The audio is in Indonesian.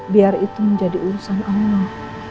biar itu menjadi urusan allah